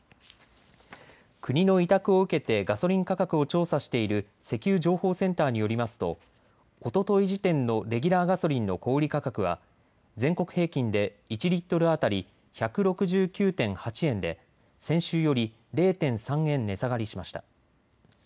国の委託を受けてガソリン価格をを調査している石油情報センターによりますとおととい時点のレギュラーガソリンの小売価格は全国平均で１リットル当たり１６９．８円で先週より０．３円値下がりしました。